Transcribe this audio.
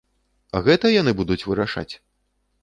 Гэта яны будуць вырашаць?